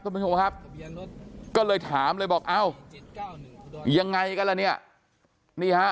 คุณผู้ชมครับก็เลยถามเลยบอกเอ้ายังไงกันล่ะเนี่ยนี่ฮะ